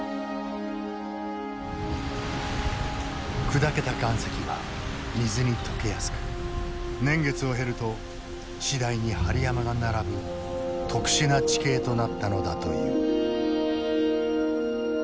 砕けた岩石は水に溶けやすく年月を経ると次第に針山が並ぶ特殊な地形となったのだという。